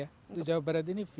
untuk jawa barat ini v